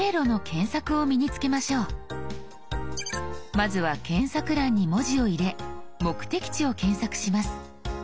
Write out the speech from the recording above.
まずは検索欄に文字を入れ目的地を検索します。